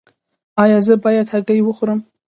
ایا زه باید هګۍ وخورم؟